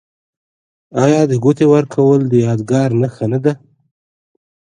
آیا د ګوتې ورکول د یادګار نښه نه ده؟